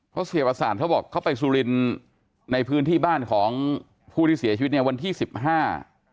เพราะเสียประสานเขาบอกเขาไปสุรินทร์ในพื้นที่บ้านของผู้ที่เสียชีวิตเนี่ยวันที่สิบห้า